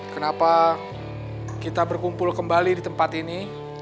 kenapa kita berkumpul kembali di tempat ini